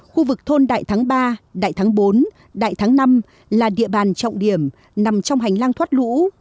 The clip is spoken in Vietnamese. cơ quan đại tháng ba đại tháng bốn đại tháng năm là địa bàn trọng điểm nằm trong hành lang thoát lũ